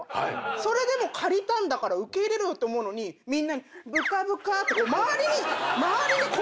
それでも借りたんだから受け入れろよって思うのにみんなに「ぶかぶか」って周りにこうするんすよ。